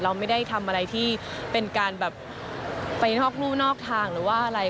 เราไม่ได้ทำอะไรที่เป็นการแบบไปนอกรู่นอกทางหรือว่าอะไร